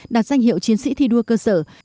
đạt danh hiệu chiến sĩ thi đua cơ sở